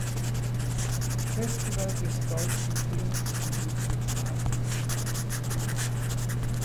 Festival des deutschen Films in Ludwigshafen gezeigt.